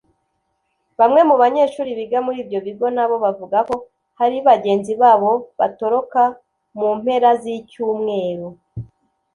Bamwe mu banyeshuri biga muri ibyo bigo nabo bavuga ko hari bagenzi babo batoroka mu mpera z’icyumweru